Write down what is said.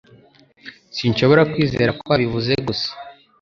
Sinshobora kwizera ko wabivuze gusa